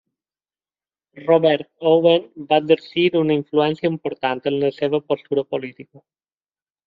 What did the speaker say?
Robert Owen va exercir una influència important en la seva postura política.